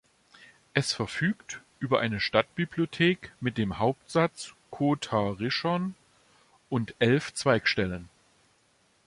Es verfügt über eine Stadtbibliothek mit dem Hauptsitz "Kotar Rishon" und elf Zweigstellen.